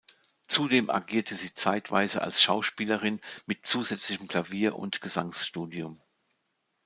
Zudem agierte sie zeitweise als Schauspielerin mit zusätzlichem Klavier- und Gesangsstudium.